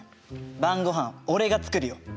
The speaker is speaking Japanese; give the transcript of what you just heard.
晩ごはん俺が作るよ。